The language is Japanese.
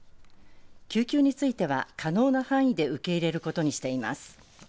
救急については、可能な範囲で受け入れることにしています。